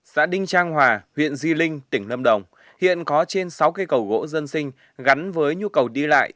xã đinh trang hòa huyện di linh tỉnh lâm đồng hiện có trên sáu cây cầu gỗ dân sinh gắn với nhu cầu đi lại